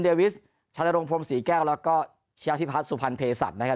วิชชานรงพรมศรีแก้วแล้วก็ชนะพิพัฒน์สุพรรณเพศัตริย์นะครับ